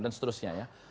dan seterusnya ya